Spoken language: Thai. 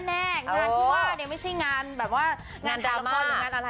งานที่ว่าเนี่ยไม่ใช่งานแบบว่างานละครหรืองานอะไร